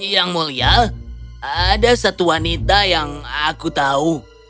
yang mulia ada satu wanita yang aku tahu